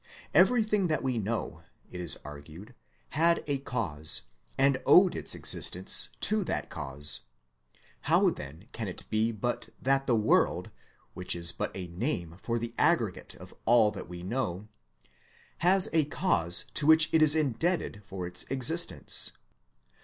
Everything that we know (it is argued) had a cause, and owed its existence to that cause. How then can it he but that the world, which is but a name for the aggregate of all that we know, has a cause to which it is indebted for its existence?